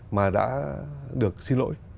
mà đã được xin lỗi